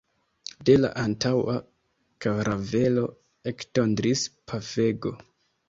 De la antaŭa karavelo ektondris pafego.